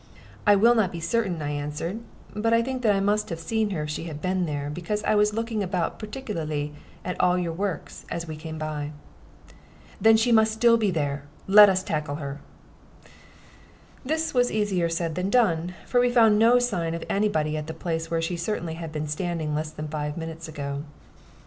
"I will not be certain," I answered; "but I think that I must have seen her if she had been there, because I was looking about particularly at all your works as we came by." "Then she must be there still; let us tackle her." This was easier said than done, for we found no sign of any body at the place where she certainly had been standing less than five minutes ago.